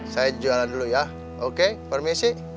saya jualan dulu ya oke permisi